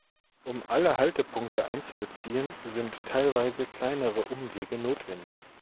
Um alle Haltepunkte einzubeziehen, sind teilweise kleinere Umwege notwendig.